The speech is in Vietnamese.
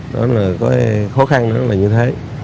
đó là có khó khăn đó là như thế